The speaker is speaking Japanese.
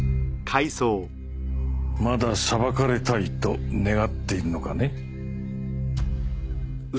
まだ裁かれたいと願っているのかね？